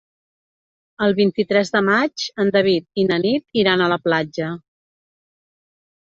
El vint-i-tres de maig en David i na Nit iran a la platja.